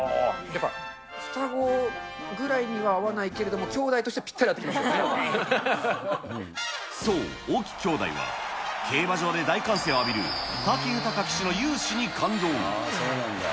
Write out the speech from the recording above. やっぱ、双子ぐらいには合わないけれども、兄弟としてはぴったり合ってますそう、沖兄弟は、競馬場で大歓声を浴びる武豊騎手の雄姿に感動。